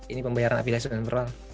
ini pembayaran aplikasi yang general